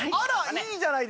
いいじゃないですか。